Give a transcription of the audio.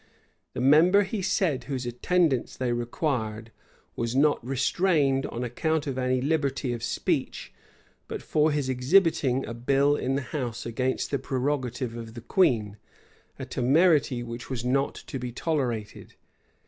The member, he said, whose attendance they required, was not restrained on account of any liberty of speech, but for his exhibiting a bill in the house against the prerogative of the queen; a temerity which was not to be tolerated.